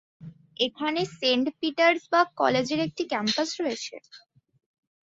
এখানে Saint Petersburg কলেজের একটি ক্যাম্পাস রয়েছে।